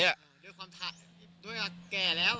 ด้วยความด้วยแก่แล้ว